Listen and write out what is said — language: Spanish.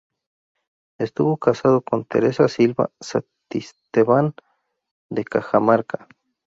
Estuvo casado con Teresa Silva Santisteban de Cajamarca.